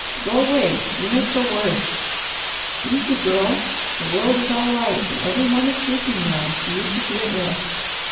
Go away, you make her worse. Easy, Girl, the world is all right and every one is sleeping now, so you should be at rest.